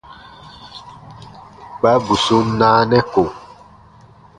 Kpa bù sun naanɛ ko.